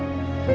kamu mau ngerti